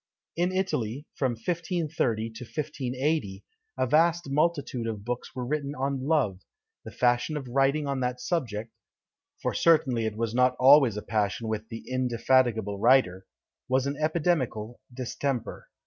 In Italy, from 1530 to 1580, a vast multitude of books were written on Love; the fashion of writing on that subject (for certainly it was not always a passion with the indefatigable writer) was an epidemical distemper.